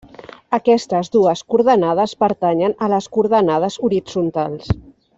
Aquestes dues coordenades pertanyen a les coordenades horitzontals.